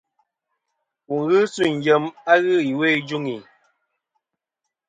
Wù ghɨ suyn yem a ghɨ iwo i juŋi.